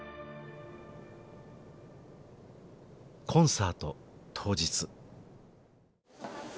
コンサート当日。